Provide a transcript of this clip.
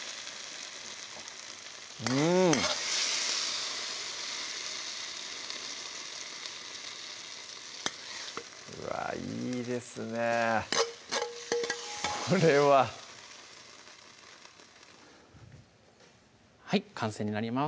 うんうわぁいいですねこれははい完成になります